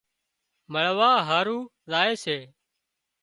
مۯوا هارو زائي سي